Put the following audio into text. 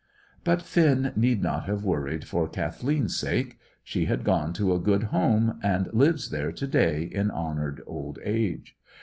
But Finn need not have worried for Kathleen's sake. She had gone to a good home, and lives there to day in honoured old age.